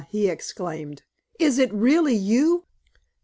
he exclaimed, "is it really you?"